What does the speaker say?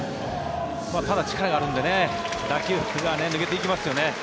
ただ、力があるので打球が抜けていきますよね。